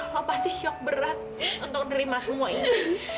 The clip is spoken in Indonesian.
lo pasti shock berat untuk nerima semua ini